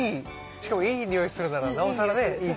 しかもいいにおいするならなおさらねいいですよね。